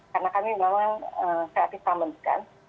karena kami memang kreatif pembentukan